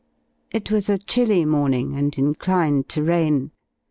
It was a chilly morning, and inclined to rain.